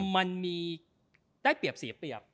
มันมีได้เปรียบเสียเปรียบ